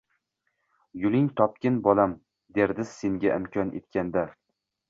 Yuling topgin bolam derdiz senga imkon etganda